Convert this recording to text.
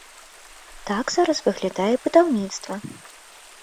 Так зараз выглядае будаўніцтва.